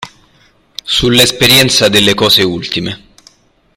Sull’esperienza delle cose ultime".